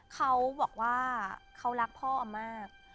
เขาบอกว่าเขารักพ่ออำมาก